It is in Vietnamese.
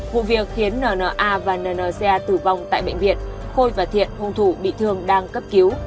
vụ việc khiến n n a và n n c a tử vong tại bệnh viện khôi và thiện hung thủ bị thương đang cấp cứu